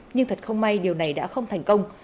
nhưng thật không may điều này đã không được